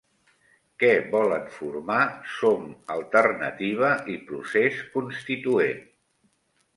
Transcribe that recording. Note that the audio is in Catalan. Què volen formar Som Alternativa i Procés Constituent?